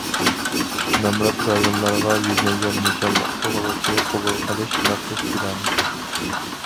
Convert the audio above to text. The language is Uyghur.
نامرات رايونلارغا يۈزلەنگەن نىشانلىق ئوقۇغۇچى قوبۇل قىلىش مەخسۇس پىلانى.